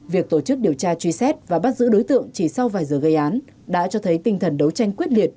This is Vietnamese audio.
việc tổ chức điều tra truy xét và bắt giữ đối tượng chỉ sau vài giờ gây án đã cho thấy tinh thần đấu tranh quyết liệt